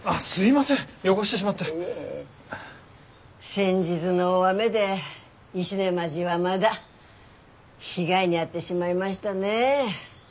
先日の大雨で石音町はまだ被害に遭ってしまいましたね。